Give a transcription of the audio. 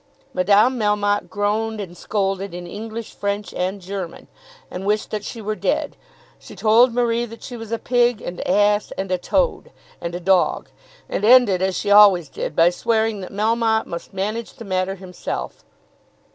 Madame Melmotte groaned, and scolded in English, French, and German, and wished that she were dead; she told Marie that she was a pig, and ass, and a toad, and a dog. And ended, as she always did end, by swearing that Melmotte must manage the matter himself.